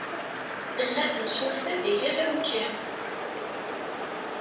Tella temsulta deg yal amkan.